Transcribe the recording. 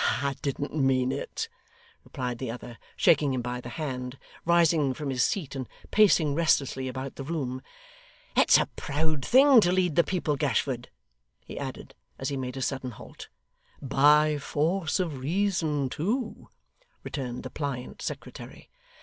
I I didn't mean it,' replied the other, shaking him by the hand, rising from his seat, and pacing restlessly about the room. 'It's a proud thing to lead the people, Gashford,' he added as he made a sudden halt. 'By force of reason too,' returned the pliant secretary.